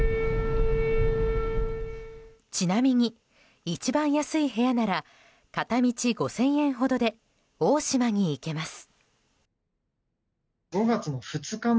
ちなみに一番安い部屋なら片道５０００円ほどで大島に行けます。